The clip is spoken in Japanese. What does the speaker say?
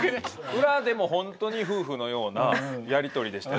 裏でも本当に夫婦のようなやり取りでしたよ。